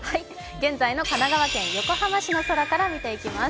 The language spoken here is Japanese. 現在の神奈川県横浜市の空から見ていきます。